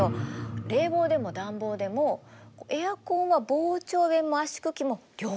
冷房でも暖房でもエアコンは膨張弁も圧縮機も両方使ってるの。